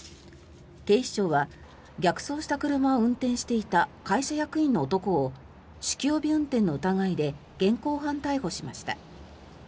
警視庁は逆走した車を運転していた会社役員の男を酒気帯び運転の疑いで現行犯逮捕しました。